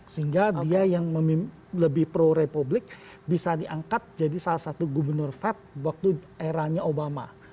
sehingga dia yang lebih pro republik bisa diangkat jadi salah satu gubernur fed waktu eranya obama